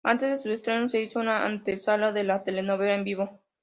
Antes de su estreno se hizo una antesala de la telenovela en vivo.